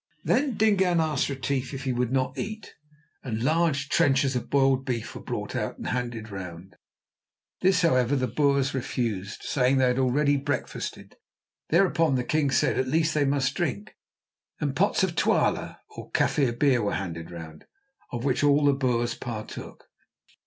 Then Dingaan asked Retief if he would not eat, and large trenchers of boiled beef were brought out and handed round. This, however, the Boers refused, saying they had already breakfasted. Thereon the king said that at least they must drink, and pots of twala, or Kaffir beer, were handed round, of which all the Boers partook.